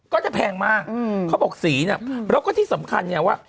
แพงมากเขาบอกสีเนี่ยแล้วก็ที่สำคัญเนี่ยว่า